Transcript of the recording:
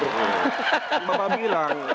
bapak bilang sampah berkurang